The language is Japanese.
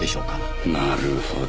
なるほど。